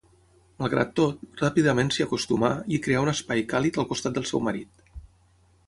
Malgrat tot, ràpidament s'hi acostumà i creà un espai càlid al costat del seu marit.